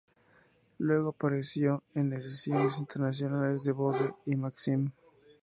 Luego apareció en ediciones internacionales de "Vogue" y "Maxim".